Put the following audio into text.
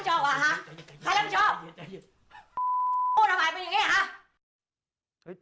พูดออกไปเป็นยังไงฮะ